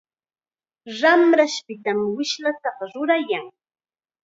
Ramrashpitam wishllataqa rurayan.